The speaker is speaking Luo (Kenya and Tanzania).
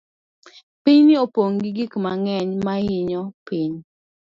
Pinyni opong' gi gik mang'eny ma hinyo piny.